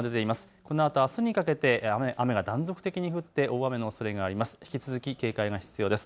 このあとあすにかけて雨が断続的に降って大雨のおそれがあります。